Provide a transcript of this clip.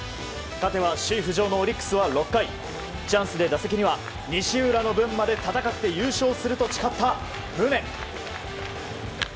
勝てば首位浮上のオリックスは６回チャンスで打席には西浦の分まで戦って優勝すると誓った宗。